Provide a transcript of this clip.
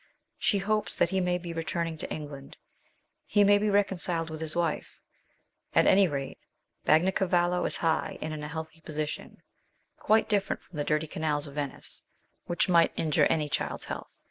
She hopes that he may be returning to England. " He may be reconciled with his wife." At any rate, Bagnacavallo is high and in a healthy position, quite different from the dirty canals of Venice, which might injure any child's health.